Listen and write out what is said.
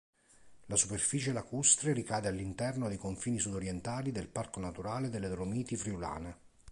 La superficie lacustre ricade all'interno dei confini sudorientali del parco naturale delle Dolomiti Friulane.